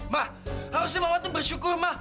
mah harusnya mama tuh bersyukur mah